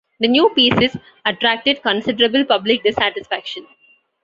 The new pieces attracted considerable public dissatisfaction.